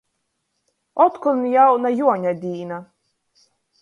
Otkon jauna Juoņadīna!